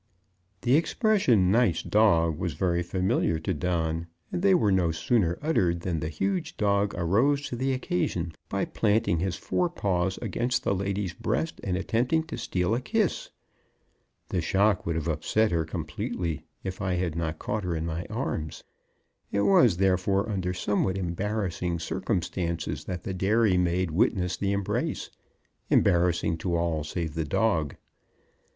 The expression "nice dog" was very familiar to Don, and they were no sooner uttered than the huge dog arose to the occasion by planting his fore paws against the lady's breast and attempting to steal a kiss. The shock would have upset her completely if I had not caught her in my arms. It was therefore under somewhat embarrassing circumstances that the dairy maid witnessed the embrace embarrassing to all save the dog.